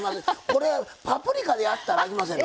これパプリカでやったらあきませんの？